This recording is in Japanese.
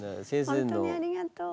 本当にありがとう。